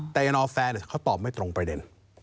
แต่ยานอแฟร์เขาตอบไม่ตรงประเด็น